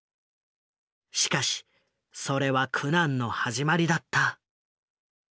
しかしそれは苦難の始まりだった。